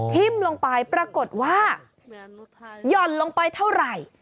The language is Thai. ทิ้มลงไปปรากฏว่าหย่อนลงไปเท่าไหร่